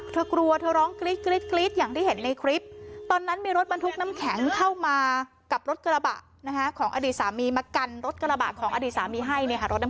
เธอกลัวเธอร้องกรี๊ดอย่างที่เห็นในคลิปตอนนั้นมีรถบรรทุกน้ำแข็งเข้ามากับรถกระบะของอดีตสามีมากันรถกระบะของอดีตสามีให้